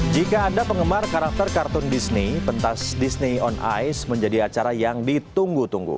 jika anda penggemar karakter kartun disney pentas disney on ice menjadi acara yang ditunggu tunggu